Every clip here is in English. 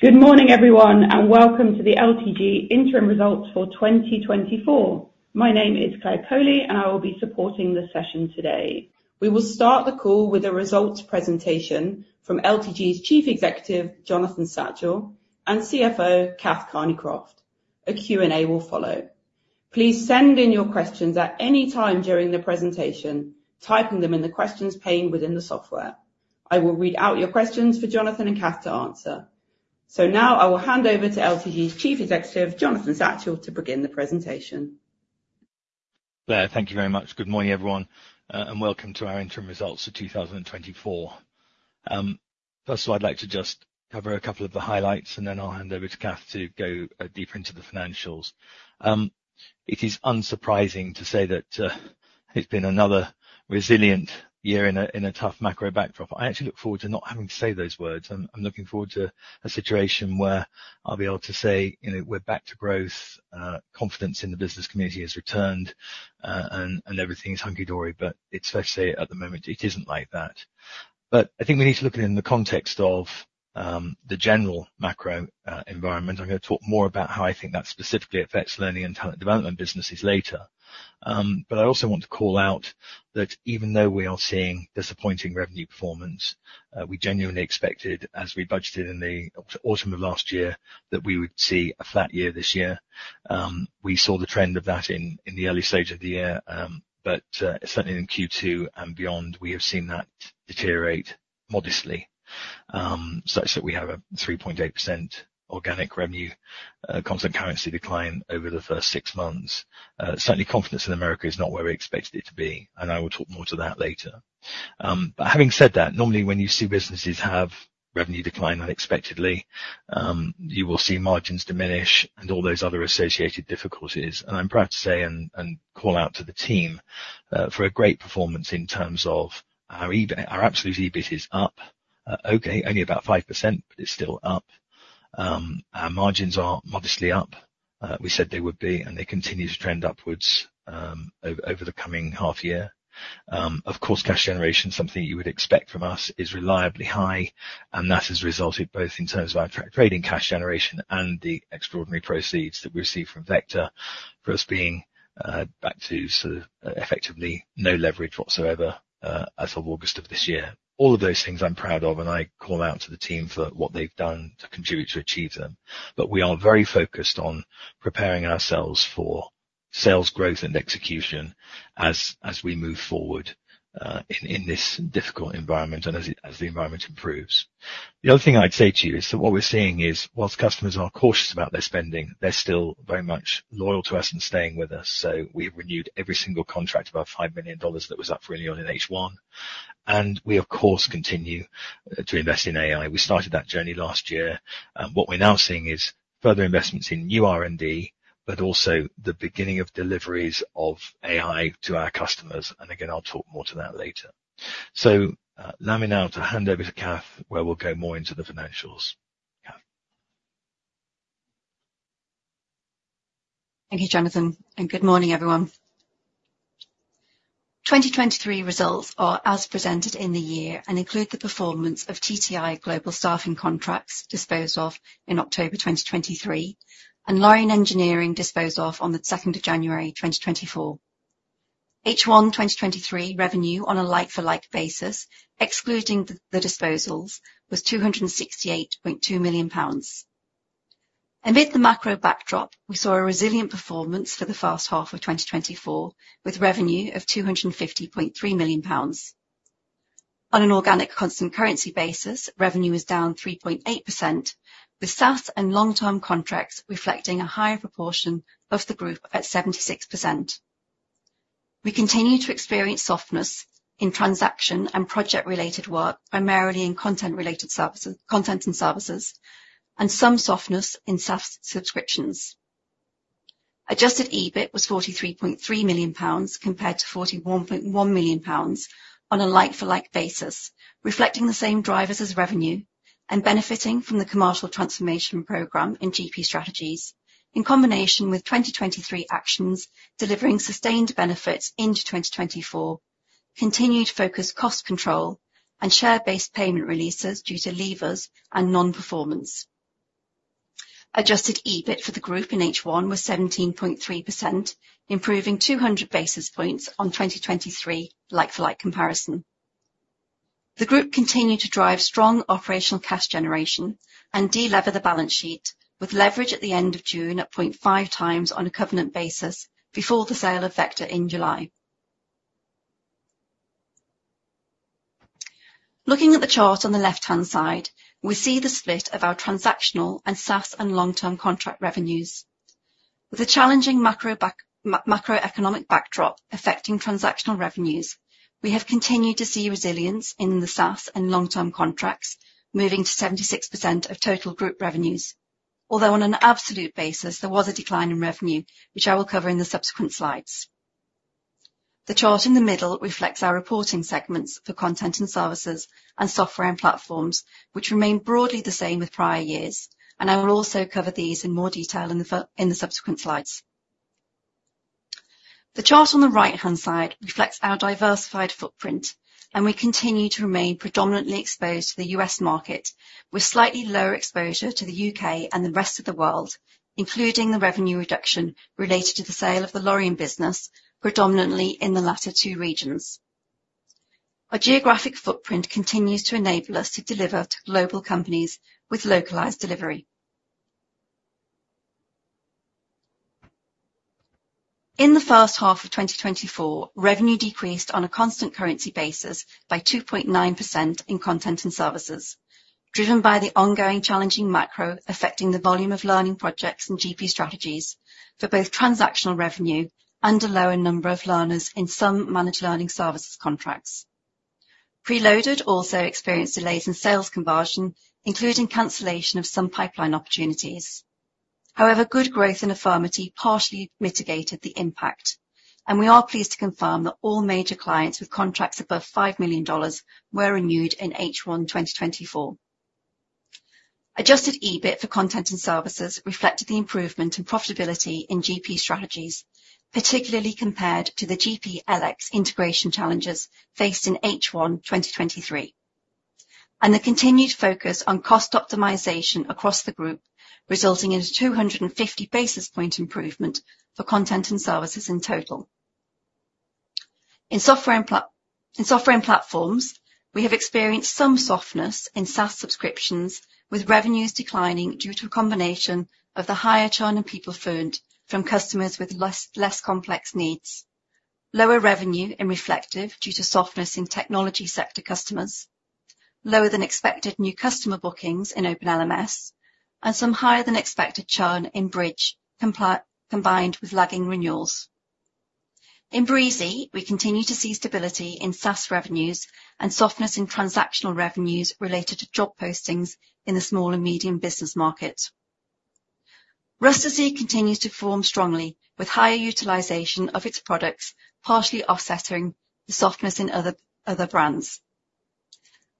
Good morning, everyone, and welcome to the LTG interim results for twenty twenty-four. My name is Claire Coley, and I will be supporting the session today. We will start the call with a results presentation from LTG's Chief Executive, Jonathan Satchell, and CFO, Kath Kearney-Croft. A Q&A will follow. Please send in your questions at any time during the presentation, typing them in the questions pane within the software. I will read out your questions for Jonathan and Kath to answer. So now I will hand over to LTG's Chief Executive, Jonathan Satchell, to begin the presentation. Claire, thank you very much. Good morning, everyone, and welcome to our interim results for two thousand and twenty-four. First of all, I'd like to just cover a couple of the highlights, and then I'll hand over to Kath to go deeper into the financials. It is unsurprising to say that it's been another resilient year in a tough macro backdrop. I actually look forward to not having to say those words. I'm looking forward to a situation where I'll be able to say, "You know, we're back to growth, confidence in the business community has returned, and everything is hunky-dory." But it's fair to say, at the moment, it isn't like that. But I think we need to look at it in the context of the general macro environment. I'm gonna talk more about how I think that specifically affects learning and talent development businesses later. But I also want to call out that even though we are seeing disappointing revenue performance, we genuinely expected, as we budgeted in the autumn of last year, that we would see a flat year this year. We saw the trend of that in the early stage of the year, but certainly in Q2 and beyond, we have seen that deteriorate modestly, such that we have a 3.8% organic revenue constant currency decline over the first six months. Certainly, confidence in America is not where we expected it to be, and I will talk more to that later. But having said that, normally when you see businesses have revenue decline unexpectedly, you will see margins diminish and all those other associated difficulties. I'm proud to say and call out to the team for a great performance in terms of our EBIT. Our absolute EBIT is up. Okay, only about 5%, but it's still up. Our margins are modestly up. We said they would be, and they continue to trend upwards over the coming half year. Of course, cash generation, something you would expect from us, is reliably high, and that has resulted both in terms of our trading cash generation and the extraordinary proceeds that we've received from Vector, for us being back to sort of effectively no leverage whatsoever, as of August of this year. All of those things I'm proud of, and I call out to the team for what they've done to contribute to achieve them, but we are very focused on preparing ourselves for sales growth and execution as we move forward in this difficult environment and as the environment improves. The other thing I'd say to you is that what we're seeing is, while customers are cautious about their spending, they're still very much loyal to us and staying with us, so we've renewed every single contract above $5 million that was up for renewal in H1. And we, of course, continue to invest in AI. We started that journey last year. And what we're now seeing is further investments in new R&D, but also the beginning of deliveries of AI to our customers, and again, I'll talk more to that later. So, allow me now to hand over to Kath, where we'll go more into the financials. Kath? Thank you, Jonathan, and good morning, everyone. 2023 results are as presented in the year and include the performance of TTI Global staffing contracts disposed of in October 2023, and Lorien Engineering disposed of on the second of January 2024. H1 2023 revenue on a like-for-like basis, excluding the disposals, was £268.2 million. Amid the macro backdrop, we saw a resilient performance for the first half of 2024, with revenue of £250.3 million. On an organic constant currency basis, revenue is down 3.8%, with SaaS and long-term contracts reflecting a higher proportion of the group at 76%. We continue to experience softness in transaction and project-related work, primarily in content-related services, content and services, and some softness in SaaS subscriptions. Adjusted EBIT was 43.3 million pounds, compared to 41.1 million pounds on a like-for-like basis, reflecting the same drivers as revenue and benefiting from the Commercial Transformation Program in GP Strategies, in combination with 2023 actions, delivering sustained benefits into 2024, continued focused cost control and share-based payment releases due to levers and non-performance. Adjusted EBIT for the group in H1 was 17.3%, improving 200 basis points on 2023 like-for-like comparison. The group continued to drive strong operational cash generation and de-lever the balance sheet, with leverage at the end of June at 0.5 times on a covenant basis before the sale of Vector in July. Looking at the chart on the left-hand side, we see the split of our transactional and SaaS and long-term contract revenues. With a challenging macroeconomic backdrop affecting transactional revenues, we have continued to see resilience in the SaaS and long-term contracts, moving to 76% of total group revenues. Although on an absolute basis, there was a decline in revenue, which I will cover in the subsequent slides. The chart in the middle reflects our reporting segments for content and services and software and platforms, which remain broadly the same with prior years, and I will also cover these in more detail in the subsequent slides. The chart on the right-hand side reflects our diversified footprint, and we continue to remain predominantly exposed to the U.S. market, with slightly lower exposure to the U.K. and the rest of the world, including the revenue reduction related to the sale of the Lorien business, predominantly in the latter two regions. Our geographic footprint continues to enable us to deliver to global companies with localized delivery. In the first half of twenty twenty-four, revenue decreased on a constant currency basis by 2.9% in content and services, driven by the ongoing challenging macro affecting the volume of learning projects and GP Strategies for both transactional revenue and a lower number of learners in some managed learning services contracts. Preloaded also experienced delays in sales conversion, including cancellation of some pipeline opportunities. However, good growth in Affirmity partially mitigated the impact, and we are pleased to confirm that all major clients with contracts above $5 million were renewed in H1 twenty twenty-four. Adjusted EBIT for content and services reflected the improvement in profitability in GP Strategies, particularly compared to the GP LEO integration challenges faced in H1 2023, and the continued focus on cost optimization across the group, resulting in a 250 basis point improvement for content and services in total. In software and platforms, we have experienced some softness in SaaS subscriptions, with revenues declining due to a combination of the higher churn in PeopleFluent from customers with less complex needs, lower revenue in Reflektive due to softness in technology sector customers, lower than expected new customer bookings in Open LMS, and some higher than expected churn in Bridge combined with lagging renewals. In Breezy, we continue to see stability in SaaS revenues and softness in transactional revenues related to job postings in the small and medium business market. Rustici continues to perform strongly, with higher utilization of its products, partially offsetting the softness in other brands.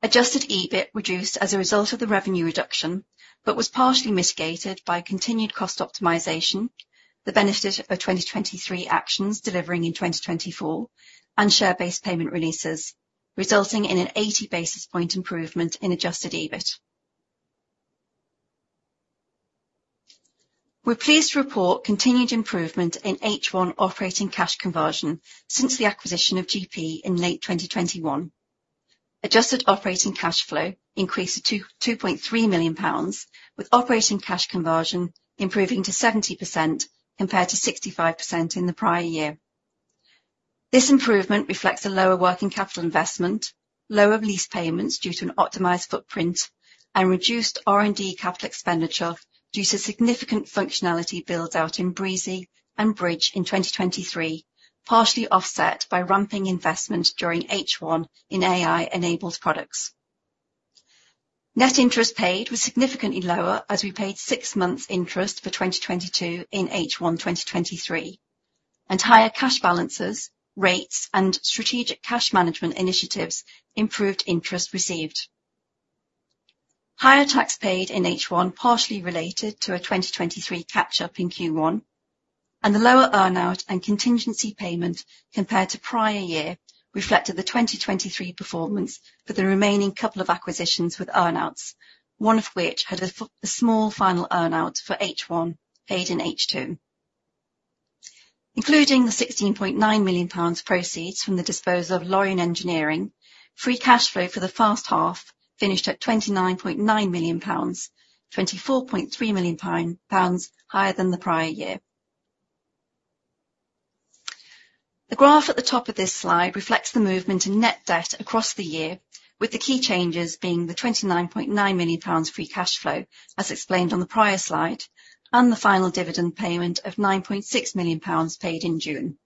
Adjusted EBIT reduced as a result of the revenue reduction, but was partially mitigated by continued cost optimization, the benefit of 2023 actions delivering in 2024, and share-based payment releases, resulting in an 80 basis points improvement in adjusted EBIT. We're pleased to report continued improvement in H1 operating cash conversion since the acquisition of GP in late 2021. Adjusted operating cash flow increased to 2.3 million pounds, with operating cash conversion improving to 70% compared to 65% in the prior year. This improvement reflects a lower working capital investment, lower lease payments due to an optimized footprint, and reduced R&D capital expenditure due to significant functionality build-out in Breezy and Bridge in twenty twenty-three, partially offset by ramping investment during H1 in AI-enabled products. Net interest paid was significantly lower, as we paid six months interest for twenty twenty-two in H1 twenty twenty-three, and higher cash balances, rates, and strategic cash management initiatives improved interest received. Higher tax paid in H1, partially related to a twenty twenty-three catch-up in Q1, and the lower earn-out and contingency payment compared to prior year reflected the twenty twenty-three performance for the remaining couple of acquisitions with earn-outs, one of which had a small final earn-out for H1 paid in H2. Including the GBP 16.9 million proceeds from the disposal of Lorien Engineering, free cash flow for the first half finished at 29.9 million pounds, 24.3 million pounds higher than the prior year. The graph at the top of this slide reflects the movement in net debt across the year, with the key changes being the 29.9 million pounds free cash flow, as explained on the prior slide, and the final dividend payment of 9.6 million pounds paid in June.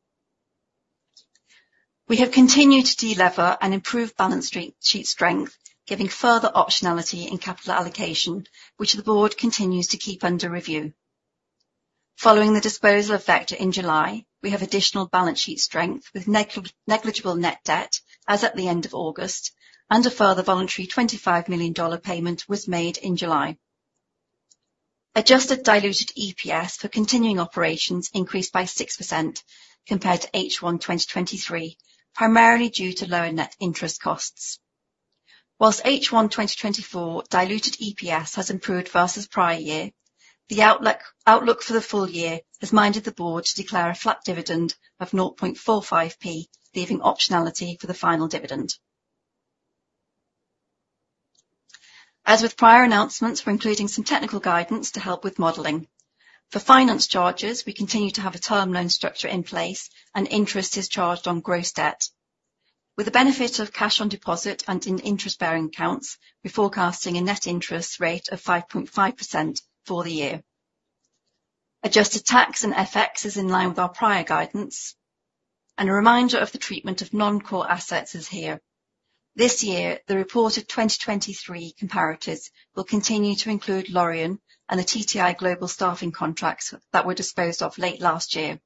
We have continued to delever and improve balance sheet strength, giving further optionality in capital allocation, which the board continues to keep under review. Following the disposal effect in July, we have additional balance sheet strength with negligible net debt as at the end of August, and a further voluntary $25 million payment was made in July. Adjusted diluted EPS for continuing operations increased by 6% compared to H1 2023, primarily due to lower net interest costs. While H1 2024 diluted EPS has improved versus prior year, the outlook for the full year has led the board to declare a flat dividend of 0.45p, leaving optionality for the final dividend. As with prior announcements, we're including some technical guidance to help with modeling. For finance charges, we continue to have a term loan structure in place, and interest is charged on gross debt. With the benefit of cash on deposit and in interest-bearing accounts, we're forecasting a net interest rate of 5.5% for the year. Adjusted tax and FX is in line with our prior guidance, and a reminder of the treatment of non-core assets is here. This year, the reported 2023 comparatives will continue to include Lorien and the TTI Global staffing contracts that were disposed of late last year,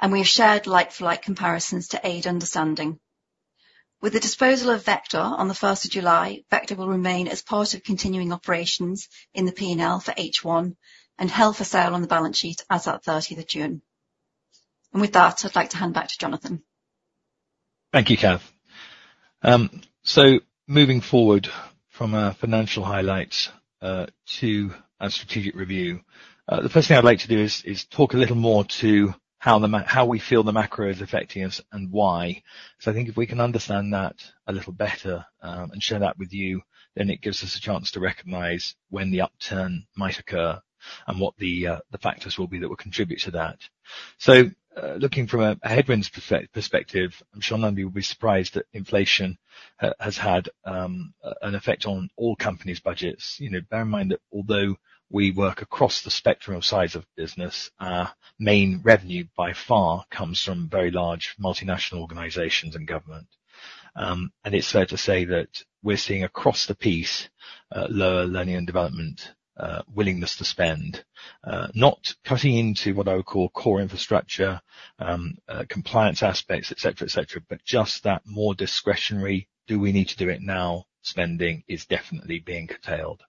and we have shared like-for-like comparisons to aid understanding. With the disposal of Vector on the first of July, Vector will remain as part of continuing operations in the P&L for H1, and held for sale on the balance sheet as at thirtieth of June. And with that, I'd like to hand back to Jonathan. Thank you, Kath. So moving forward from our financial highlights to our strategic review. The first thing I'd like to do is talk a little more to how we feel the macro is affecting us and why. So I think if we can understand that a little better and share that with you, then it gives us a chance to recognize when the upturn might occur and what the factors will be that will contribute to that. So looking from a headwinds perspective, I'm sure none of you will be surprised that inflation has had an effect on all companies' budgets. You know, bear in mind that although we work across the spectrum of size of business, our main revenue by far comes from very large multinational organizations and government. And it's fair to say that we're seeing across the piece, lower learning and development willingness to spend, not cutting into what I would call core infrastructure, compliance aspects, et cetera, et cetera, but just that more discretionary, do we need to do it now? Spending is definitely being curtailed.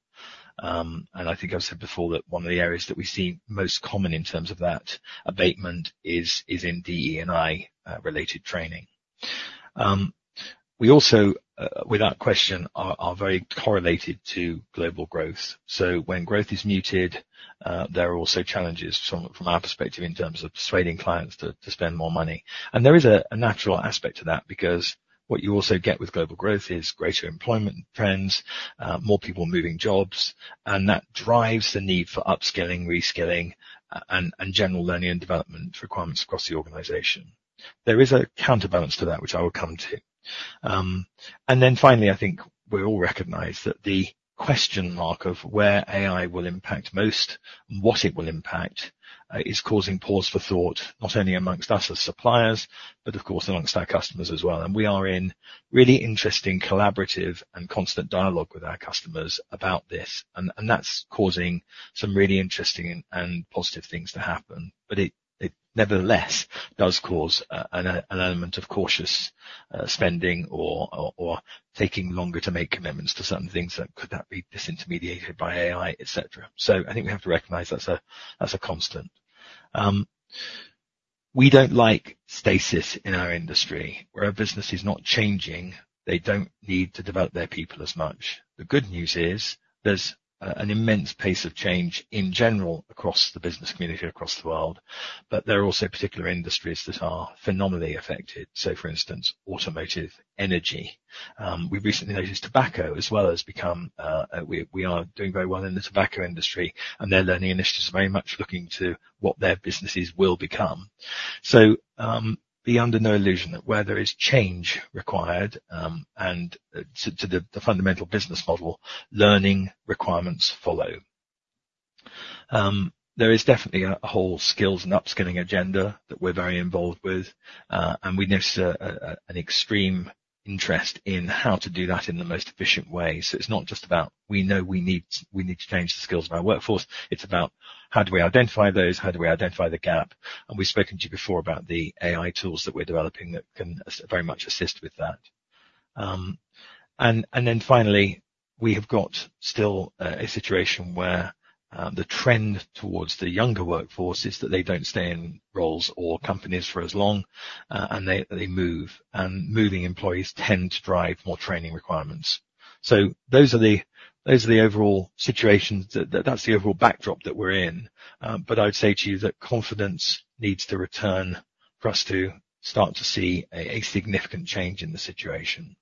And I think I've said before, that one of the areas that we see most common in terms of that abatement is in DE&I related training. We also, without question, are very correlated to global growth. So when growth is muted, there are also challenges from our perspective, in terms of persuading clients to spend more money. There is a natural aspect to that, because what you also get with global growth is greater employment trends, more people moving jobs, and that drives the need for upskilling, reskilling, and general learning and development requirements across the organization. There is a counterbalance to that, which I will come to. Finally, I think we all recognize that the question mark of where AI will impact most and what it will impact is causing pause for thought, not only among us as suppliers, but of course, among our customers as well. We are in really interesting collaborative and constant dialogue with our customers about this, and that's causing some really interesting and positive things to happen. But it nevertheless does cause an element of cautious spending or taking longer to make commitments to certain things that could be disintermediated by AI, et cetera. So I think we have to recognize that's a constant. We don't like stasis in our industry. Where our business is not changing, they don't need to develop their people as much. The good news is, there's an immense pace of change in general across the business community, across the world, but there are also particular industries that are phenomenally affected. So for instance, automotive, energy. We've recently noticed tobacco as well has become. We are doing very well in the tobacco industry, and their learning initiatives are very much looking to what their businesses will become. Be under no illusion that where there is change required, and to the fundamental business model, learning requirements follow. There is definitely an extreme interest in how to do that in the most efficient way. It's not just about we know we need to change the skills of our workforce, it's about how do we identify those? How do we identify the gap? And we've spoken to you before about the AI tools that we're developing that can very much assist with that. And then finally, we have got still a situation where the trend towards the younger workforce is that they don't stay in roles or companies for as long, and they move, and moving employees tend to drive more training requirements. So those are the overall situations that... That's the overall backdrop that we're in. But I would say to you that confidence needs to return for us to start to see a significant change in the situation.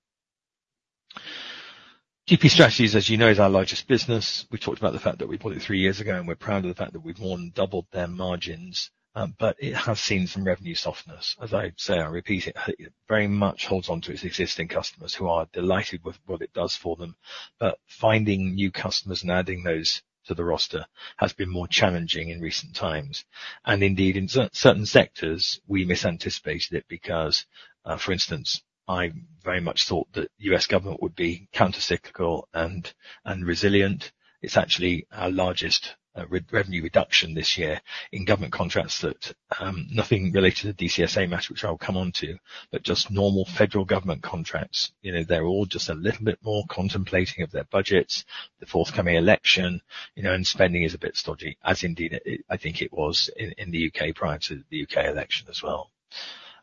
GP Strategies, as you know, is our largest business. We talked about the fact that we bought it three years ago, and we're proud of the fact that we've more than doubled their margins. But it has seen some revenue softness. As I say, I repeat it, it very much holds on to its existing customers who are delighted with what it does for them, but finding new customers and adding those to the roster has been more challenging in recent times. And indeed, in certain sectors, we mis anticipated it because, for instance, I very much thought that U.S. government would be countercyclical and resilient. It's actually our largest revenue reduction this year in government contracts, nothing related to the DCSA matter, which I'll come on to, but just normal federal government contracts. You know, they're all just a little bit more contemplating of their budgets, the forthcoming election, you know, and spending is a bit stodgy, as indeed it was in the U.K. prior to the U.K. election as well.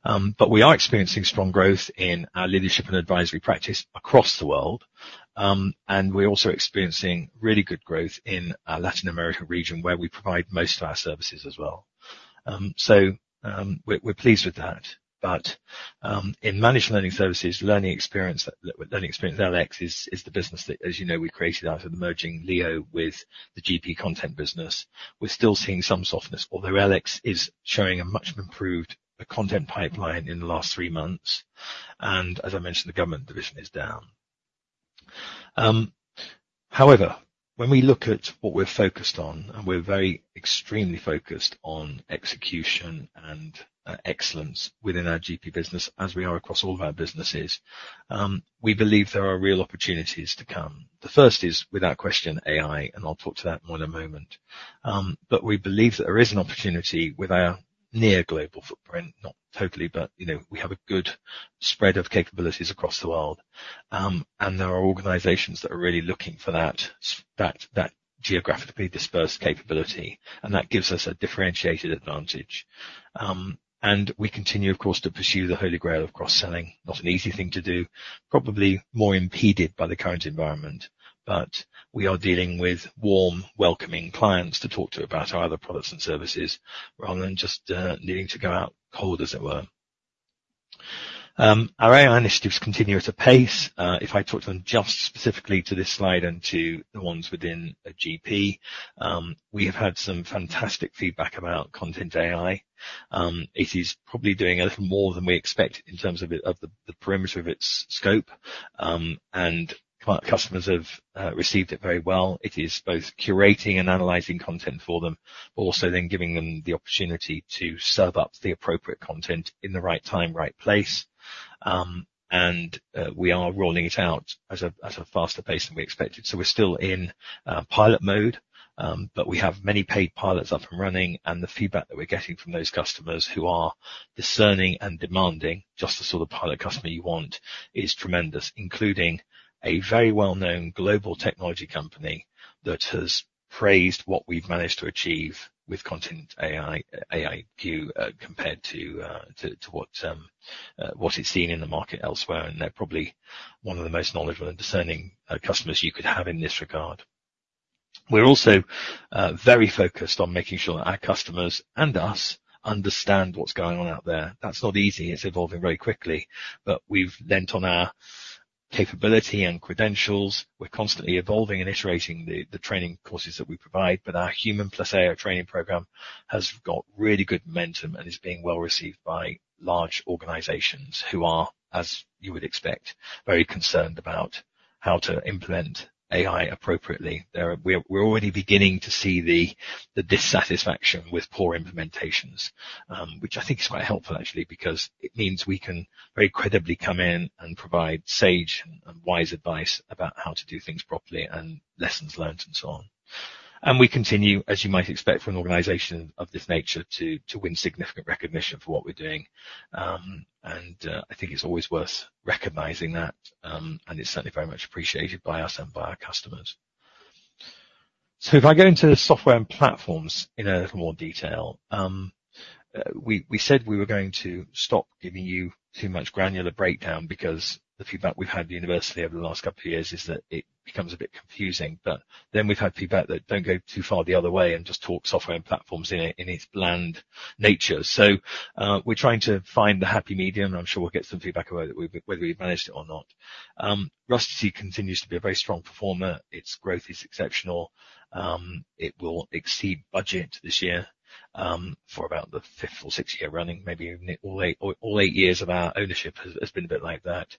But we are experiencing strong growth in our leadership and advisory practice across the world. And we're also experiencing really good growth in our Latin American region, where we provide most of our services as well. So, we're pleased with that. But, in managed learning services, learning experience, LX, is the business that, as you know, we created out of the merging LEO with the GP content business. We're still seeing some softness, although LX is showing a much improved content pipeline in the last three months, and as I mentioned, the government division is down. However, when we look at what we're focused on, and we're very extremely focused on execution and, excellence within our GP business, as we are across all of our businesses. We believe there are real opportunities to come. The first is, without question, AI, and I'll talk to that more in a moment, but we believe that there is an opportunity with our near global footprint, not totally, but, you know, we have a good spread of capabilities across the world, and there are organizations that are really looking for that geographically dispersed capability, and that gives us a differentiated advantage, and we continue, of course, to pursue the Holy Grail of cross-selling. Not an easy thing to do, probably more impeded by the current environment, but we are dealing with warm, welcoming clients to talk to about our other products and services, rather than just, needing to go out cold, as it were. Our AI initiatives continue at a pace. If I talk to them just specifically to this slide and to the ones within GP, we have had some fantastic feedback about Content AI. It is probably doing a little more than we expected in terms of it, of the parameters of its scope, and customers have received it very well. It is both curating and analyzing content for them, but also then giving them the opportunity to serve up the appropriate content in the right time, right place, and we are rolling it out at a faster pace than we expected. We're still in pilot mode, but we have many paid pilots up and running, and the feedback that we're getting from those customers who are discerning and demanding, just the sort of pilot customer you want, is tremendous, including a very well-known global technology company that has praised what we've managed to achieve with Content AI, AI view, compared to what it's seen in the market elsewhere, and they're probably one of the most knowledgeable and discerning customers you could have in this regard. We're also very focused on making sure that our customers and us understand what's going on out there. That's not easy. It's evolving very quickly, but we've leaned on our capability and credentials. We're constantly evolving and iterating the training courses that we provide, but our Human Plus AI training program has got really good momentum and is being well received by large organizations who are, as you would expect, very concerned about how to implement AI appropriately. We're already beginning to see the dissatisfaction with poor implementations, which I think is quite helpful actually, because it means we can very credibly come in and provide sage and wise advice about how to do things properly and lessons learned and so on. And we continue, as you might expect from an organization of this nature, to win significant recognition for what we're doing. I think it's always worth recognizing that, and it's certainly very much appreciated by us and by our customers. So if I go into the software and platforms in a little more detail, we said we were going to stop giving you too much granular breakdown because the feedback we've had universally over the last couple of years is that it becomes a bit confusing, but then we've had feedback that don't go too far the other way and just talk software and platforms in its bland nature. So, we're trying to find the happy medium, and I'm sure we'll get some feedback about it, whether we've managed it or not. Rustici continues to be a very strong performer. Its growth is exceptional. It will exceed budget this year, for about the fifth or sixth year running. Maybe even all eight years of our ownership has been a bit like that.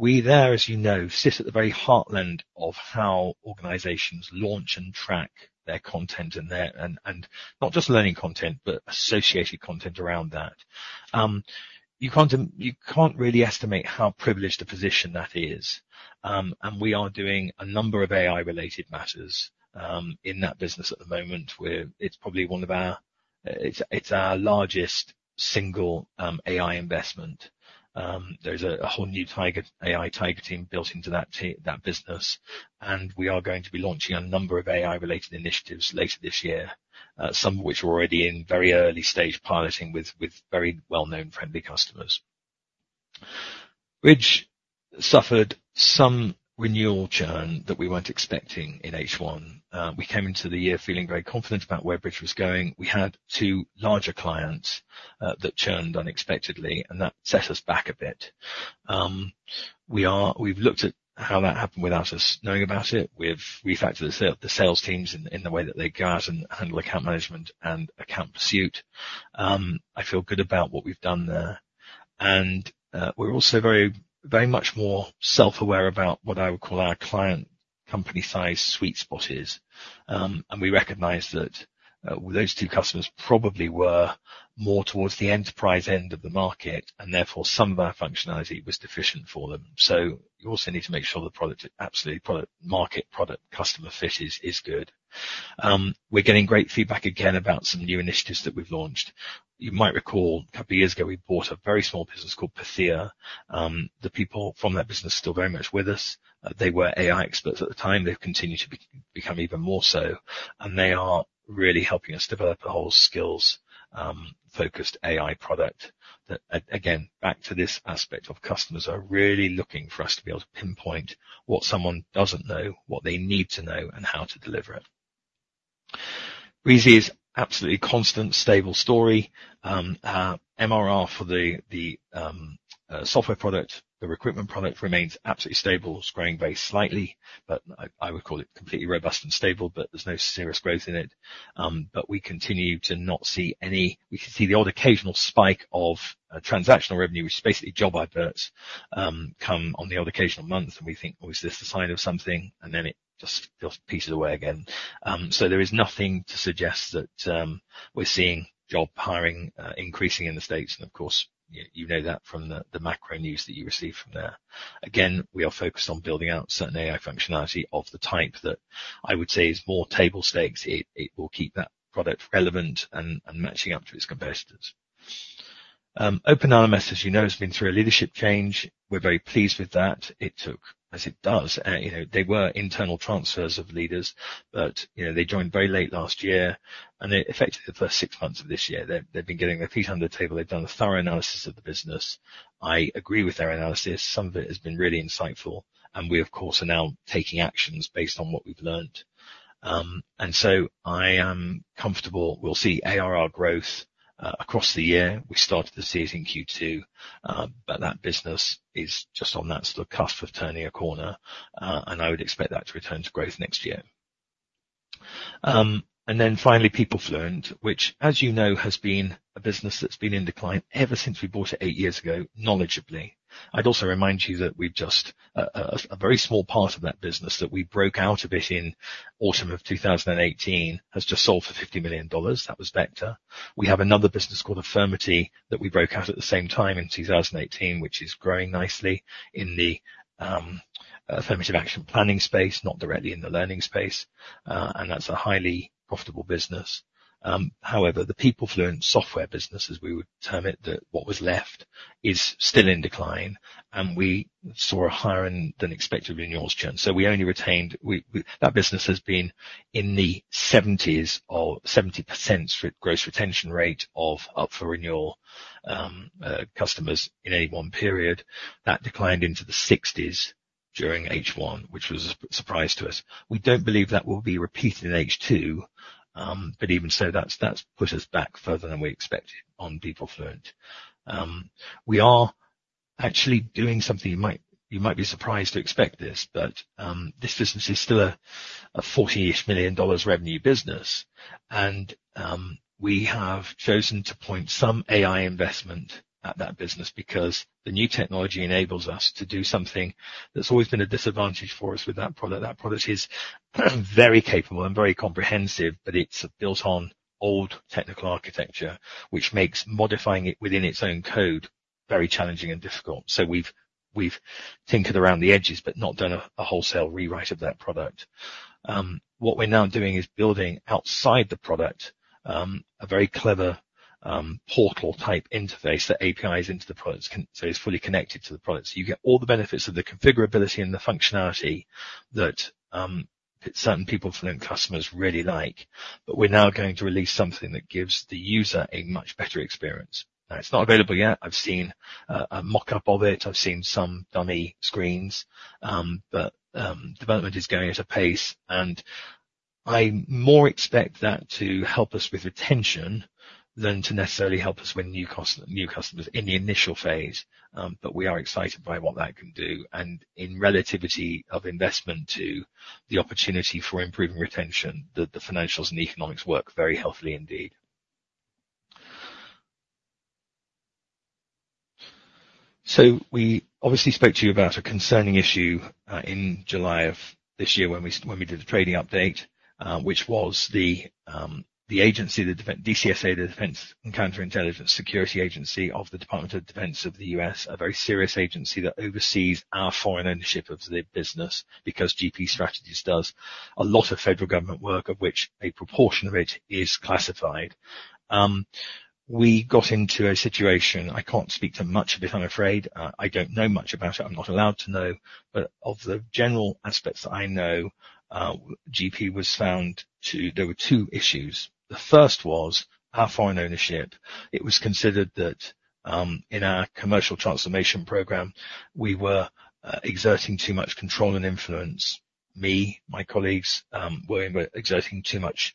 We're there, as you know, [we] sit at the very heartland of how organizations launch and track their content and not just learning content, but associated content around that. You can't really estimate how privileged a position that is. We are doing a number of AI-related matters in that business at the moment, where it's probably one of our largest single AI investment. There's a whole new AI tiger team built into that business, and we are going to be launching a number of AI-related initiatives later this year, some of which are already in very early stage piloting with very well-known friendly customers. Bridge suffered some renewal churn that we weren't expecting in H1. We came into the year feeling very confident about where Bridge was going. We had two larger clients that churned unexpectedly, and that set us back a bit. We've looked at how that happened without us knowing about it. We've refactored the sales teams in the way that they go out and handle account management and account pursuit. I feel good about what we've done there. We're also very, very much more self-aware about what I would call our client company size sweet spot is. We recognize that those two customers probably were more towards the enterprise end of the market, and therefore some of our functionality was deficient for them. So you also need to make sure the product is absolutely product-market, product, customer fit is good. We're getting great feedback again about some new initiatives that we've launched. You might recall, a couple years ago, we bought a very small business called Pythia. The people from that business are still very much with us. They were AI experts at the time. They've continued to become even more so, and they are really helping us develop a whole skills-focused AI product that again, back to this aspect of customers are really looking for us to be able to pinpoint what someone doesn't know, what they need to know, and how to deliver it. Breezy is absolutely constant, stable story. MRR for the software product, the recruitment product, remains absolutely stable. It's growing very slightly, but I would call it completely robust and stable, but there's no serious growth in it. But we continue to not see any. We can see the odd occasional spike of transactional revenue, which is basically job adverts, come on the odd occasional month, and we think, "Oh, is this a sign of something?" And then it just fizzles away again. So there is nothing to suggest that we're seeing job hiring increasing in the States, and of course, you know that from the macro news that you receive from there. Again, we are focused on building out certain AI functionality of the type that I would say is more table stakes. It will keep that product relevant and matching up to its competitors. Open LMS, as you know, has been through a leadership change. We're very pleased with that. It took, as it does, you know, there were internal transfers of leaders, but, you know, they joined very late last year, and it affected the first six months of this year. They, they've been getting their feet under the table. They've done a thorough analysis of the business. I agree with their analysis. Some of it has been really insightful, and we, of course, are now taking actions based on what we've learned. And so I am comfortable we'll see ARR growth across the year. We started the season in Q2, but that business is just on that sort of cusp of turning a corner, and I would expect that to return to growth next year. And then finally, PeopleFluent, which, as you know, has been a business that's been in decline ever since we bought it eight years ago, knowledgeably. I'd also remind you that we've just a very small part of that business, that we broke out a bit in autumn of two thousand and eighteen, has just sold for $50 million. That was Vector. We have another business called Affirmity, that we broke out at the same time in two thousand and eighteen, which is growing nicely in the affirmative action planning space, not directly in the learning space, and that's a highly profitable business. However, the PeopleFluent software business, as we would term it, what was left, is still in decline, and we saw a higher than expected renewals churn. So we only retained. That business has been in the 70s or 70% gross retention rate of up-for-renewal customers in any one period. That declined into the sixties during H1, which was a surprise to us. We don't believe that will be repeated in H2, but even so, that's put us back further than we expected on PeopleFluent. We are actually doing something you might be surprised to expect this, but this business is still a forty-ish million dollars revenue business, and we have chosen to point some AI investment at that business because the new technology enables us to do something that's always been a disadvantage for us with that product. That product is very capable and very comprehensive, but it's built on old technical architecture, which makes modifying it within its own code very challenging and difficult. So we've tinkered around the edges, but not done a wholesale rewrite of that product. What we're now doing is building outside the product, a very clever, portal-type interface that APIs into the product, so it's fully connected to the product. So you get all the benefits of the configurability and the functionality that that certain PeopleFluent customers really like. But we're now going to release something that gives the user a much better experience. Now, it's not available yet. I've seen a mock-up of it. I've seen some dummy screens, but development is going at a pace, and I more expect that to help us with retention than to necessarily help us win new customers in the initial phase. But we are excited by what that can do, and in relativity of investment to the opportunity for improving retention, the financials and the economics work very healthily indeed. So we obviously spoke to you about a concerning issue in July of this year when we did the trading update, which was the agency, the DCSA, the Defense and Counterintelligence Security Agency of the Department of Defense of the U.S., a very serious agency that oversees our foreign ownership of the business, because GP Strategies does a lot of federal government work, of which a proportion of it is classified. We got into a situation, I can't speak to much of it, I'm afraid. I don't know much about it. I'm not allowed to know. But of the general aspects that I know, GP was found to... There were two issues. The first was our foreign ownership. It was considered that in our Commercial Transformation Program, we were exerting too much control and influence. Me, my colleagues, were exerting too much,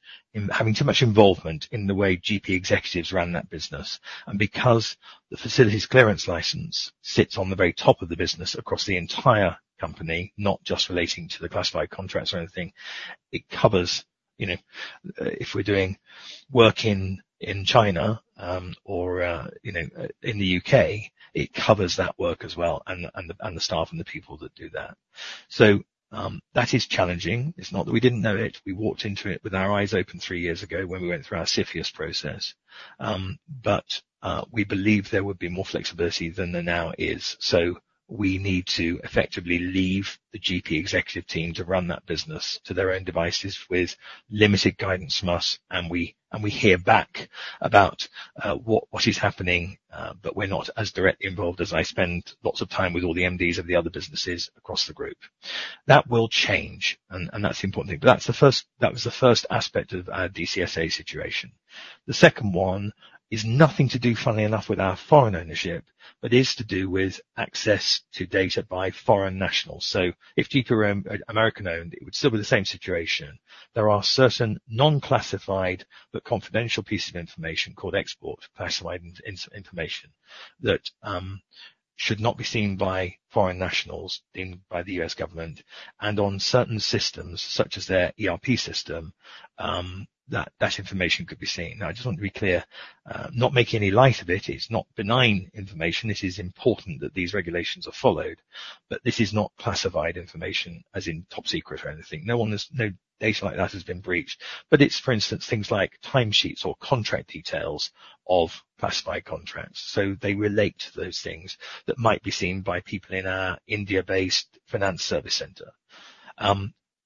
having too much involvement in the way GP executives ran that business. And because the facilities clearance license sits on the very top of the business across the entire company, not just relating to the classified contracts or anything, it covers, you know, if we're doing work in China, or you know in the UK, it covers that work as well, and the staff and the people that do that. So, that is challenging. It's not that we didn't know it. We walked into it with our eyes open three years ago when we went through our CFIUS process. But, we believed there would be more flexibility than there now is. So we need to effectively leave the GP executive team to run that business to their own devices with limited guidance from us, and we hear back about what is happening, but we're not as directly involved as I spend lots of time with all the MDs of the other businesses across the group. That will change, and that's the important thing. But that was the first aspect of our DCSA situation. The second one is nothing to do, funnily enough, with our foreign ownership, but is to do with access to data by foreign nationals. So if GP were American-owned, it would still be the same situation. There are certain non-classified, but confidential pieces of information called export classified information, that should not be seen by foreign nationals, enforced by the US government, and on certain systems, such as their ERP system, that information could be seen. Now, I just want to be clear, not making any light of it. It's not benign information. It is important that these regulations are followed, but this is not classified information as in top secret or anything. No data like that has been breached, but it's, for instance, things like time sheets or contract details of classified contracts. So they relate to those things that might be seen by people in our India-based finance service center.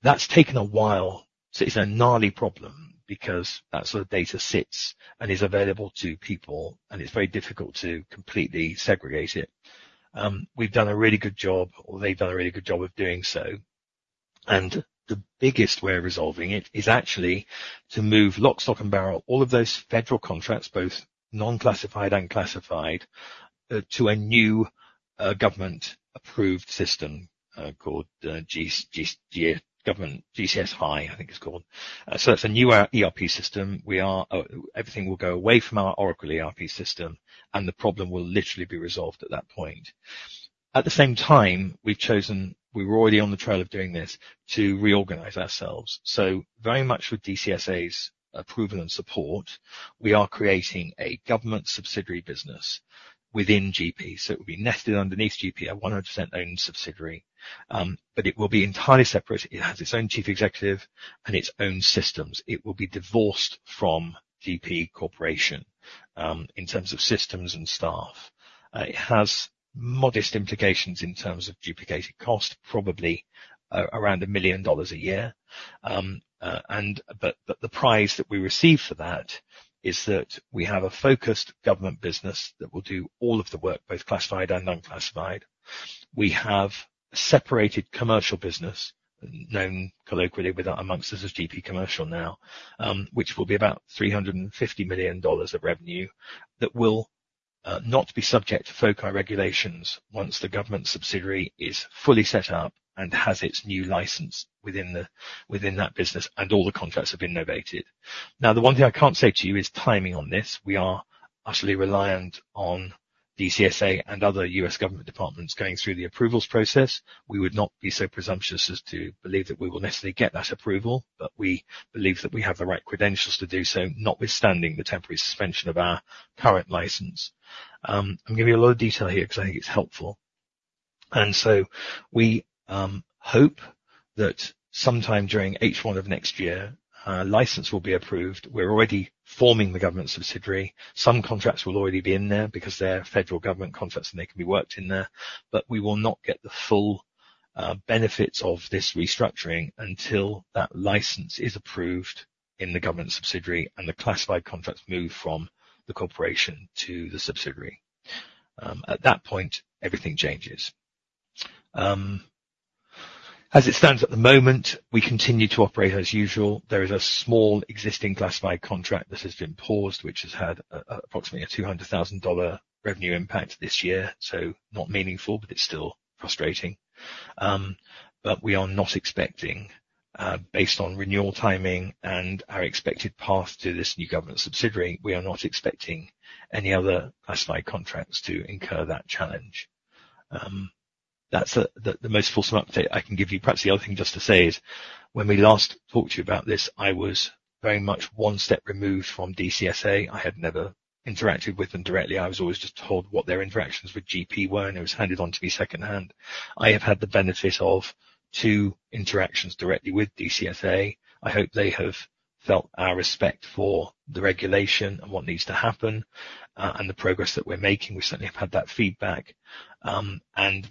That's taken a while, so it's a gnarly problem. because that sort of data sits and is available to people, and it's very difficult to completely segregate it. We've done a really good job, or they've done a really good job of doing so. And the biggest way of resolving it is actually to move lock, stock, and barrel, all of those federal contracts, both non-classified and classified, to a new, government-approved system, called GCC High, I think it's called. So it's a new ERP system. Everything will go away from our Oracle ERP system, and the problem will literally be resolved at that point. At the same time, we've chosen, we were already on the trail of doing this, to reorganize ourselves. So very much with DCSA's approval and support, we are creating a government subsidiary business within GP. So it will be nested underneath GP, a 100% owned subsidiary, but it will be entirely separate. It has its own chief executive and its own systems. It will be divorced from GP Corporation, in terms of systems and staff. It has modest implications in terms of duplicated cost, probably, around $1 million a year. But the prize that we receive for that is that we have a focused government business that will do all of the work, both classified and non-classified. We have a separated commercial business, known colloquially with, amongst us, as GP Commercial now, which will be about $350 million of revenue, that will not be subject to FOCI regulations once the government subsidiary is fully set up and has its new license within the, within that business, and all the contracts have been novated. Now, the one thing I can't say to you is timing on this. We are utterly reliant on DCSA and other U.S. government departments going through the approvals process. We would not be so presumptuous as to believe that we will necessarily get that approval, but we believe that we have the right credentials to do so, notwithstanding the temporary suspension of our current license. I'm giving you a lot of detail here because I think it's helpful. And so we hope that sometime during H1 of next year, a license will be approved. We're already forming the government subsidiary. Some contracts will already be in there because they are federal government contracts, and they can be worked in there, but we will not get the full benefits of this restructuring until that license is approved in the government subsidiary and the classified contracts move from the corporation to the subsidiary. At that point, everything changes. As it stands at the moment, we continue to operate as usual. There is a small existing classified contract that has been paused, which has had approximately a $200,000 revenue impact this year, so not meaningful, but it's still frustrating. But we are not expecting, based on renewal timing and our expected path to this new government subsidiary, we are not expecting any other classified contracts to incur that challenge. That's the most fulsome update I can give you. Perhaps the other thing just to say is, when we last talked to you about this, I was very much one step removed from DCSA. I had never interacted with them directly. I was always just told what their interactions with GP were, and it was handed on to me secondhand. I have had the benefit of two interactions directly with DCSA. I hope they have felt our respect for the regulation and what needs to happen, and the progress that we're making. We certainly have had that feedback. And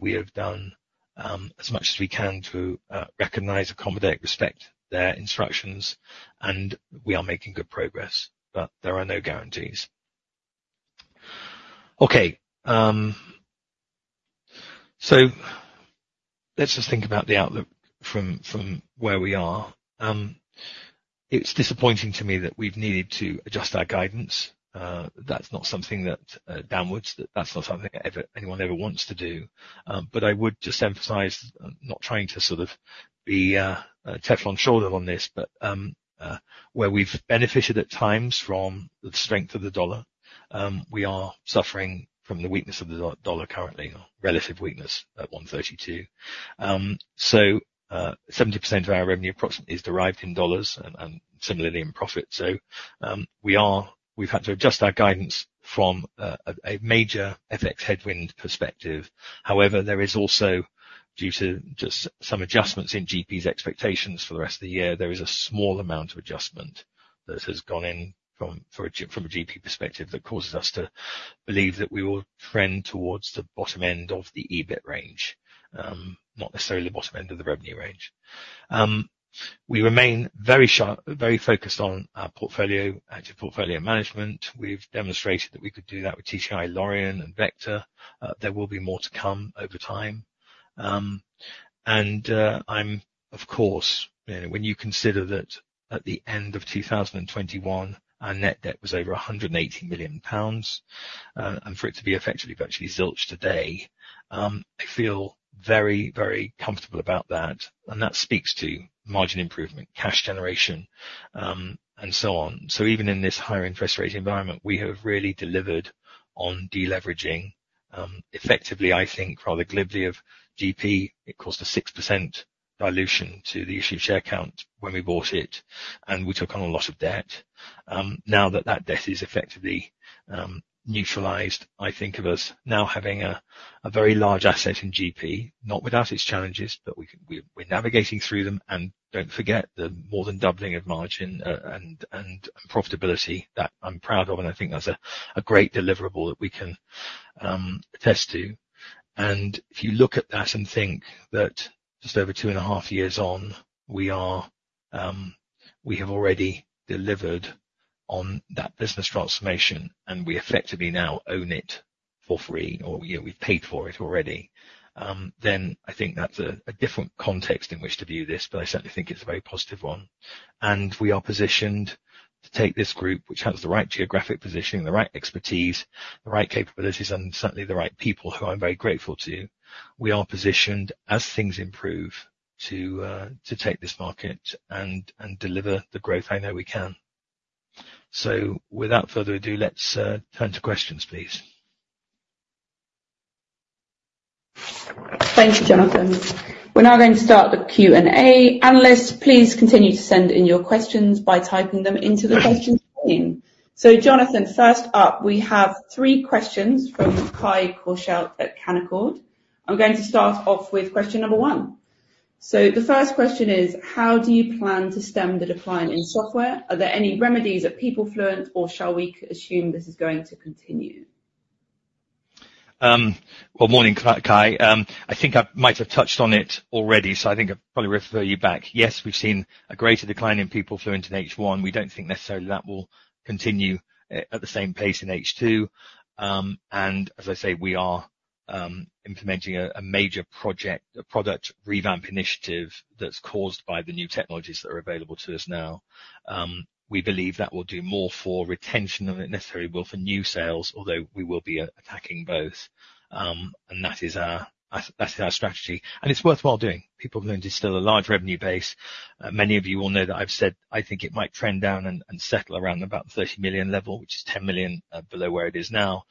we have done as much as we can to recognize, accommodate, respect their instructions, and we are making good progress, but there are no guarantees. Okay, so let's just think about the outlook from where we are. It's disappointing to me that we've needed to adjust our guidance. That's not something that, that's not something anyone ever wants to do. But I would just emphasize, I'm not trying to sort of be a Teflon shoulder on this, but where we've benefited at times from the strength of the dollar, we are suffering from the weakness of the dollar currently, or relative weakness at 1.32. So, 70% of our revenue approximately is derived in dollars and similarly in profit. So, we've had to adjust our guidance from a major FX headwind perspective. However, there is also due to just some adjustments in GP's expectations for the rest of the year a small amount of adjustment that has gone in from a GP perspective that causes us to believe that we will trend towards the bottom end of the EBIT range, not necessarily the bottom end of the revenue range. We remain very sharp, very focused on our portfolio, active portfolio management. We've demonstrated that we could do that with TTI, Lorien, and Vector. There will be more to come over time. I'm... Of course, you know, when you consider that at the end of two thousand and twenty-one, our net debt was over 180 million pounds, and for it to be effectively, virtually zilch today, I feel very, very comfortable about that, and that speaks to margin improvement, cash generation, and so on. So even in this higher interest rate environment, we have really delivered on deleveraging. Effectively, I think, for the acquisition of GP, it cost a 6% dilution to the issued share count when we bought it, and we took on a lot of debt. Now that that debt is effectively neutralized, I think of us now having a very large asset in GP. Not without its challenges, but we're navigating through them, and don't forget the more than doubling of margin and profitability that I'm proud of, and I think that's a great deliverable that we can attest to. And if you look at that and think that just over two and a half years on, we have already delivered on that business transformation, and we effectively now own it for free, or you know, we've paid for it already, then I think that's a different context in which to view this, but I certainly think it's a very positive one. And we are positioned to take this group, which has the right geographic positioning, the right expertise, the right capabilities, and certainly the right people, who I'm very grateful to. We are positioned, as things improve, to take this market and deliver the growth I know we can. So without further ado, let's turn to questions, please. Thank you, Jonathan. We're now going to start the Q&A. Analysts, please continue to send in your questions by typing them into the questions pane. So Jonathan, first up, we have three questions from Kai Korschelt at Canaccord Genuity. I'm going to start off with question number one. So the first question is: How do you plan to stem the decline in software? Are there any remedies at PeopleFluent, or shall we assume this is going to continue? Morning, Kai. I think I might have touched on it already, so I think I'd probably refer you back. Yes, we've seen a greater decline in PeopleFluent in H1. We don't think necessarily that will continue at the same pace in H2. And as I say, we are implementing a major project, a product revamp initiative that's caused by the new technologies that are available to us now. We believe that will do more for retention than it necessarily will for new sales, although we will be attacking both. And that is our... That's our strategy, and it's worthwhile doing. PeopleFluent is still a large revenue base. Many of you will know that I've said I think it might trend down and settle around about the $30 million level, which is $10 million below where it is now.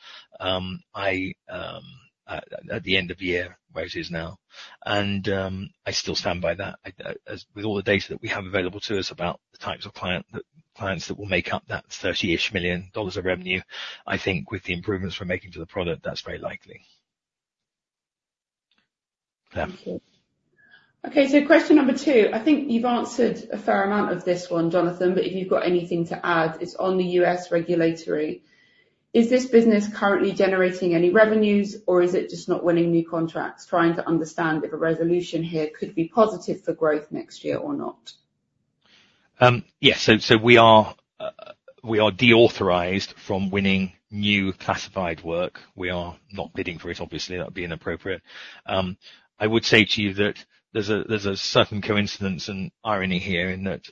At the end of the year, where it is now, and I still stand by that. As with all the data that we have available to us about the types of clients that will make up that $30-ish million dollars of revenue, I think with the improvements we're making to the product, that's very likely. Yeah. Thank you. Okay, so question number two. I think you've answered a fair amount of this one, Jonathan, but if you've got anything to add, it's on the U.S. regulatory. Is this business currently generating any revenues, or is it just not winning new contracts? Trying to understand if a resolution here could be positive for growth next year or not. Yes. So we are deauthorized from winning new classified work. We are not bidding for it, obviously, that would be inappropriate. I would say to you that there's a certain coincidence and irony here in that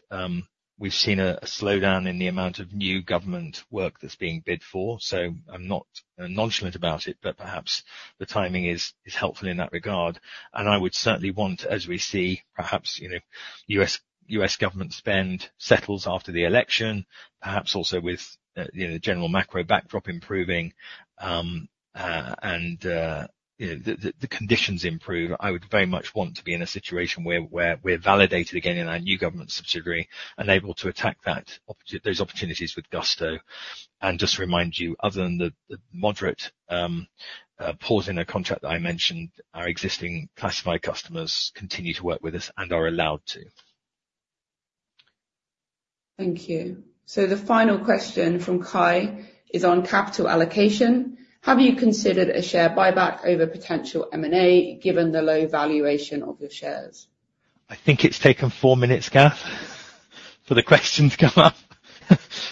we've seen a slowdown in the amount of new government work that's being bid for, so I'm not nonchalant about it, but perhaps the timing is helpful in that regard. And I would certainly want, as we see, perhaps you know, U.S. government spend settles after the election, perhaps also with you know, general macro backdrop improving, and you know, the conditions improve. I would very much want to be in a situation where we're validated again in our new government subsidiary and able to attack those opportunities with gusto. And just to remind you, other than the moderate pause in a contract that I mentioned, our existing classified customers continue to work with us and are allowed to. Thank you. So the final question from Kai is on capital allocation. Have you considered a share buyback over potential M&A, given the low valuation of your shares? I think it's taken four minutes, Kath, for the question to come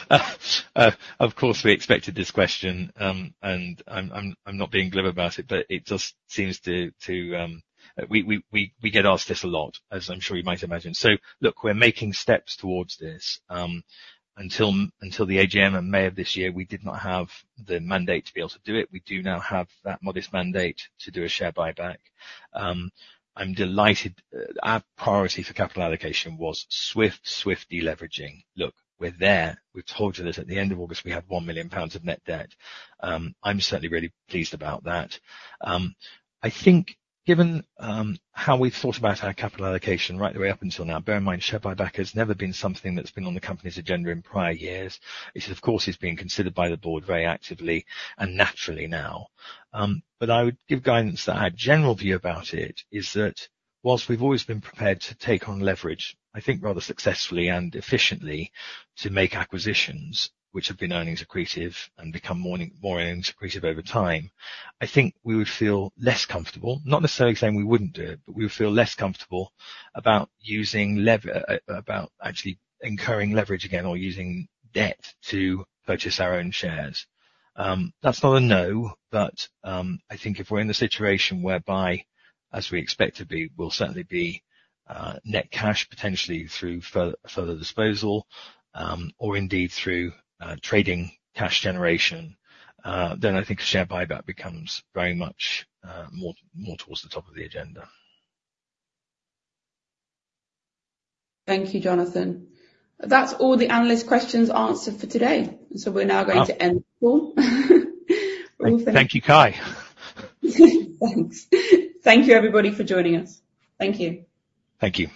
up. Of course, we expected this question, and I'm not being glib about it, but it just seems to. We get asked this a lot, as I'm sure you might imagine. So look, we're making steps towards this. Until the AGM in May of this year, we did not have the mandate to be able to do it. We do now have that modest mandate to do a share buyback. I'm delighted. Our priority for capital allocation was swift deleveraging. Look, we're there. We've told you that at the end of August, we had 1 million pounds of net debt. I'm certainly really pleased about that. I think given how we've thought about our capital allocation right the way up until now, bear in mind, share buyback has never been something that's been on the company's agenda in prior years. It, of course, is being considered by the board very actively and naturally now. But I would give guidance that our general view about it is that whilst we've always been prepared to take on leverage, I think rather successfully and efficiently to make acquisitions, which have been earnings accretive and become more, more earnings accretive over time, I think we would feel less comfortable, not necessarily saying we wouldn't do it, but we would feel less comfortable about actually incurring leverage again or using debt to purchase our own shares. That's not a no, but I think if we're in a situation whereby, as we expect to be, we'll certainly be net cash, potentially through further disposal, or indeed through trading cash generation, then I think a share buyback becomes very much more towards the top of the agenda. Thank you, Jonathan. That's all the analyst questions answered for today. So we're now going to end the call. Thank you, Kai. Thanks. Thank you, everybody, for joining us. Thank you. Thank you.